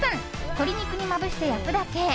鶏肉にまぶして焼くだけ！